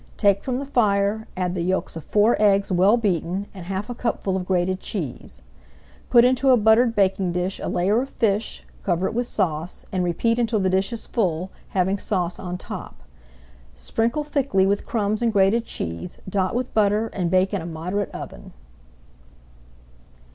Take from the fire, add the yolks of four eggs well beaten and half a cupful of grated cheese. Put into a buttered baking dish a layer of fish, cover it with sauce, and repeat until the dish is full, having sauce on top. Sprinkle thickly with crumbs and grated cheese, dot with butter, and bake in a moderate oven.